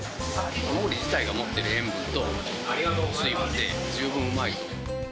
ハマグリ自体が持っている塩分と水分で十分うまい。